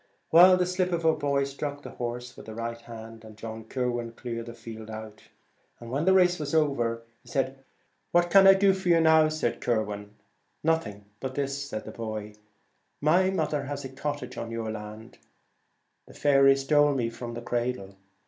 Well, the slip of a boy struck the horse with his right hand, and John Kirwan cleared the field out. When the race was over, ' What can I do for you now ?' said he. 1 Nothing but this,' said the boy :' my mother has a cottage on your land — they stole me from the cradle.